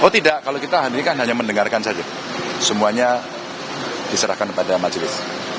tidak kalau kita hari ini hanya mendengarkan saja semuanya diserahkan pada majelis